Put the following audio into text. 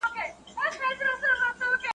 د ټوکي نه پټاکه جوړه سوه.